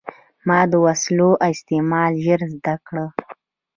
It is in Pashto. ما د وسلو استعمال ژر زده کړ.